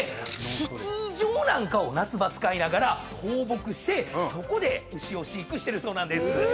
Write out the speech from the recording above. スキー場なんかを夏場使いながら放牧してそこで牛を飼育してるそうなんです。